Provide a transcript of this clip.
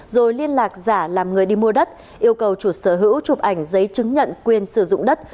rồi liên lạc giả làm người đi mua đất yêu cầu chủ sở hữu chụp ảnh giấy chứng nhận quyền sử dụng đất